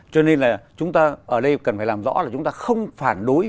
cho nên là chúng ta ở đây cần phải làm rõ là chúng ta không phản đối